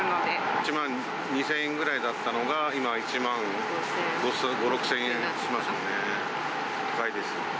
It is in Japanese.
１万２０００円ぐらいだったのが、今、１万５、６０００円しますよね、高いです。